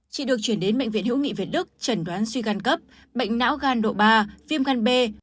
chị được chuyển đến bệnh viện hữu nghị việt đức trần đoán suy gan cấp bệnh não gan độ ba viêm gan b